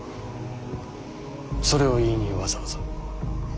それを言いにわざわざ？